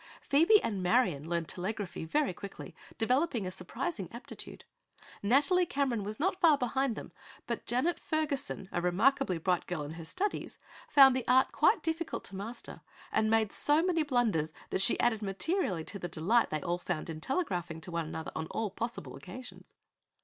Phoebe and Marion learned telegraphy very quickly, developing surprising aptitude; Nathalie Cameron was not far behind them, but Janet Ferguson, a remarkably bright girl in her studies, found the art quite difficult to master and made so many blunders that she added materially to the delight they all found in telegraphing to one another on all possible occasions.